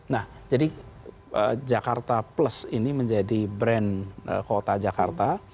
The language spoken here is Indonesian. nah jadi jakarta plus ini menjadi brand kota jakarta